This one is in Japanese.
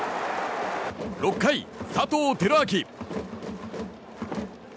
６回、佐藤輝明。